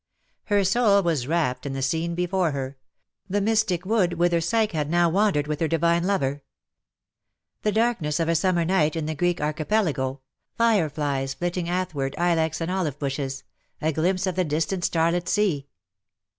Her soul was rapt in the scene before her — the mystic wood whither Psyche had now wan dered with her divine lover. The darkness of a summer night in the Greek Archipelago — fire flies CUPID AND PSYCHE. 225 flitting athwart ilex and olive bushes — a glimpse of the distant starlit sea.